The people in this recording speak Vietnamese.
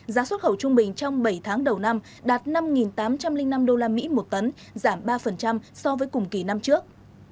giá xuất khẩu trung bình trong bảy tháng đầu năm đạt năm tám trăm linh năm đô la mỹ một tấn giảm ba so với cùng kỳ năm trước